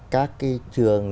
các cái trường